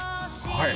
はい？